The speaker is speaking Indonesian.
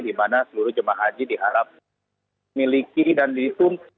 di mana seluruh jemaah haji diharap miliki dan dihitung